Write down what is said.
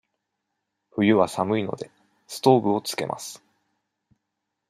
冬は寒いので、ストーブをつけます。